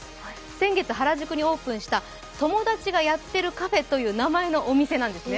先月、原宿にオープンした友達がやってるカフェという名前のお店なんですね。